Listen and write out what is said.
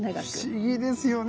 不思議ですよね